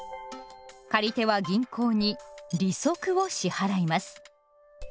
借り手は銀行に「利息」を支払います。